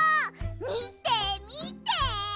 みてみて！